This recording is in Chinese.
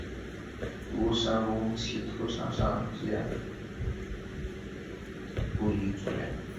独山翁奇兔场上街布依族人。